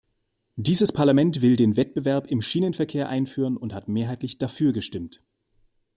Dieses Parlament will den Wettbewerb im Schienenverkehr einführen und hat mehrheitlich dafür gestimmt.